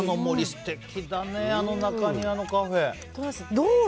素敵だね、あの中庭のカフェ。